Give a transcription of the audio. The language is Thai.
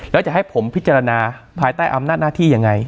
แล้วจะให้ผมพิจารณาภายใต้อำนาจหน้าที่ยังไง